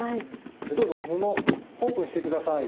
じゃどうぞ布オープンして下さい。